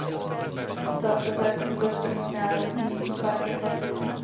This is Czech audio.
Stal se tak vůbec prvním národním parkem v Africe.